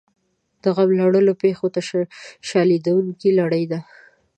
د غم لړلو پېښو نه شلېدونکې لړۍ ده.